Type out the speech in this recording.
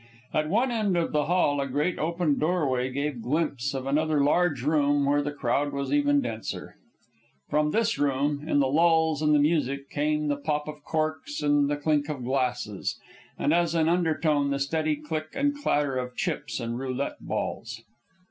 At one end of the hall a great open doorway gave glimpse of another large room where the crowd was even denser. From this room, in the lulls in the music, came the pop of corks and the clink of glasses, and as an undertone the steady click and clatter of chips and roulette balls.